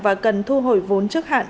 và cần thu hồi vốn trước hạn